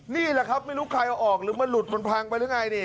นี่แหละครับไม่รู้ใครเอาออกหรือมันหลุดมันพังไปหรือไงนี่